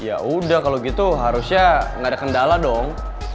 ya udah kalau gitu harusnya nggak ada kendala dong